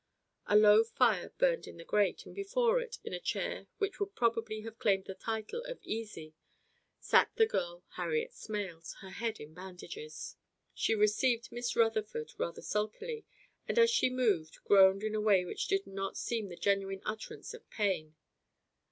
A low fire burned in the grate, and before it, in a chair which would probably have claimed the title of easy, sat the girl Harriet Smales, her head in bandages. She received Miss Rutherford rather sulkily, and as she moved, groaned in a way which did not seem the genuine utterance of pain.